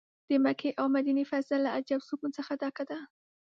د مکې او مدینې فضا له عجب سکون څه ډکه ده.